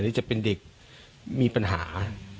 หรือจะเป็นเด็กมีปัญหา